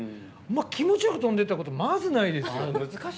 気持ちよく飛んでいったことまずないですよ。